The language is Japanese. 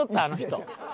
あの人。